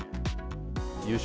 優勝